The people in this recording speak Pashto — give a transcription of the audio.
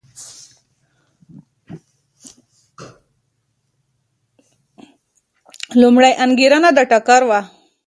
لومړنۍ انګېرنه د ټکر وه.